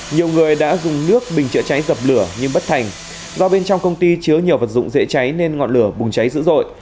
nhiều người đã dùng nước bình chữa cháy dập lửa nhưng bất thành do bên trong công ty chứa nhiều vật dụng dễ cháy nên ngọn lửa bùng cháy dữ dội